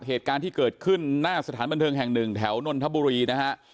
เหตุการณ์ที่เกิดขึ้นหน้าสถานบันเทิงแห่งหนึ่งแถวนนทบุรีนะฮะ